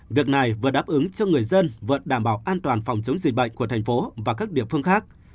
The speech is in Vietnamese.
việc này vừa đáp ứng cho người dân vừa đảm bảo an toàn phòng chống dịch bệnh của thành phố và các địa phương khác